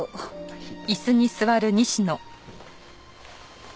はい。